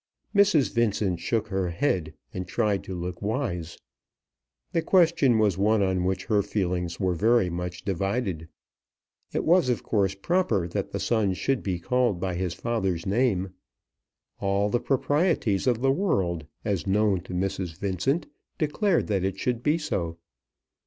Mrs. Vincent shook her head and tried to look wise. The question was one on which her feelings were very much divided. It was of course proper that the son should be called by his father's name. All the proprieties of the world, as known to Mrs. Vincent, declared that it should be so.